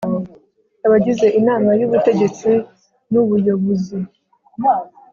abagize inama y ubutegetsi n ubuyobuzi